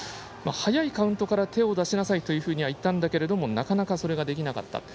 早いカウントから手を出しなさいといったんだけれどもなかなかそれができなかった。